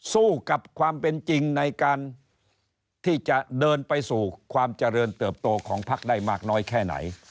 สู้กับความเป็นจริงในการที่จะเดินไปสู่ความเจริญเติบโตของพักได้มากน้อยแค่ไหน